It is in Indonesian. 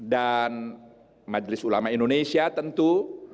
dan majelis ulama indonesia tentu